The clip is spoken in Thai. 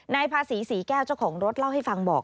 ภาษีศรีแก้วเจ้าของรถเล่าให้ฟังบอก